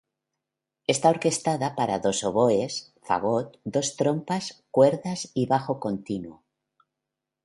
Está orquestada para dos oboes, fagot, dos trompas, cuerdas y bajo continuo.